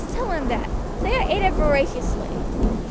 Tell him that. Say I ate it voraciously."